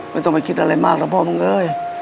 ไม่ต้องไปคิดอะไรมากหรอกพ่อมึงเอ้ย